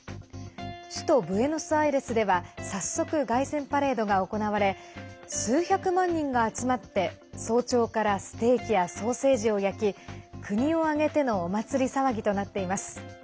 首都ブエノスアイレスでは早速、凱旋パレードが行われ数百万人が集まって早朝からステーキやソーセージを焼き国を挙げてのお祭り騒ぎとなっています。